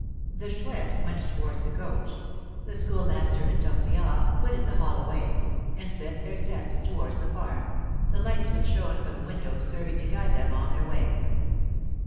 The Chouette went towards the coach. The Schoolmaster and Tortillard quitted the hollow way, and bent their steps towards the farm, the lights which shone from the windows serving to guide them on their way.